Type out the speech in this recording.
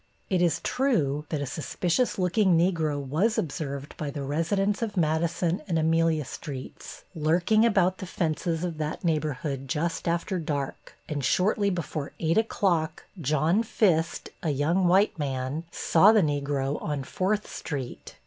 It is true that a suspicious looking Negro was observed by the residents of Madison and Amelia Streets lurking about the fences of that neighborhood just after dark, and shortly before 8 o'clock John Fist, a young white man, saw the Negro on Fourth Street.